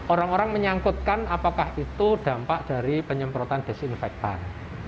orang orang menyangkutkan apakah itu dampak dari penyemprotan desinfektan